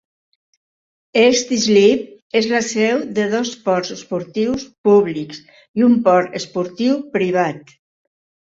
East Islip és la seu de dos ports esportius públics i un port esportiu privat.